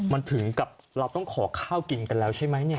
มันถึงกับเราต้องขอข้าวกินกันแล้วใช่ไหมเนี่ย